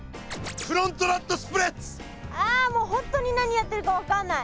ああもう本当に何やってるか分かんない。